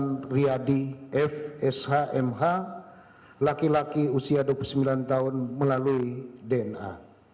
dan riyadi fshmh laki laki usia dua puluh sembilan tahun melalui dna